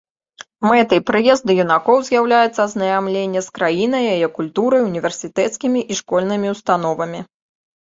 Мэтай прыезду юнакоў з'яўляецца азнаямленне з краінай, яе культурай, універсітэцкімі і школьнымі ўстановамі.